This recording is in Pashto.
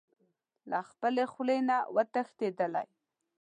له خپلې خولې نه و تښتېدلی.